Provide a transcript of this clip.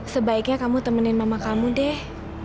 sebaiknya kamu temenin mama kamu deh